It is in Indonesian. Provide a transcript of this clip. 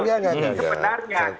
enggak enggak enggak